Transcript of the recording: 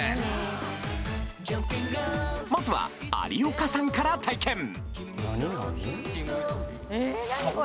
まずは有岡さんから体験！